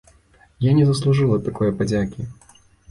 Я не заслужыла такое падзякі.